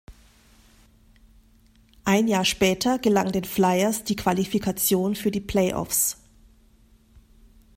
Ein Jahr später gelang den Flyers die Qualifikation für die Playoffs.